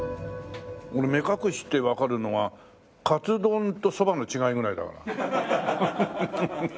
俺目隠ししてわかるのはカツ丼とそばの違いぐらいだから。